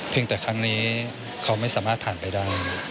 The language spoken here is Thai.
แต่ครั้งนี้เขาไม่สามารถผ่านไปได้